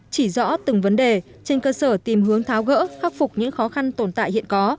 chỉ rõ từng vấn đề trên cơ sở tìm hướng tháo gỡ khắc phục những khó khăn tồn tại hiện có